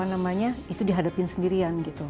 apa namanya itu dihadapi sendirian